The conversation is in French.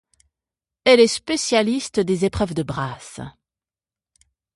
Elle est spécialiste des épreuves de brasse.